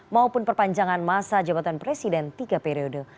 maupun perpanjangan masa jabatan presiden tiga periode